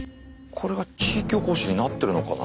これが地域おこしになってるのかな。